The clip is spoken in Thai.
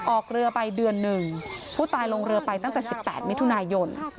ออกเรือไปเดือนหนึ่งผู้ตายลงเรือไปตั้งแต่๑๘มิถุนายน